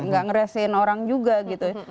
gak ngeresain orang juga gitu